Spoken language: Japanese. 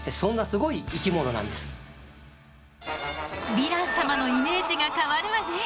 ヴィラン様のイメージが変わるわね。